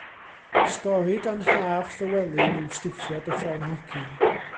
Stori gan Haf Llewelyn yw Stwffia dy ffon hoci.